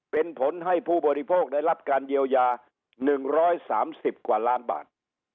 เป็นผลให้ผู้บริโภคได้รับการเยียวยา๑๓๐กว่าล้านบาท